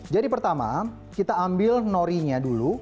jadi pertama kita ambil norinya dulu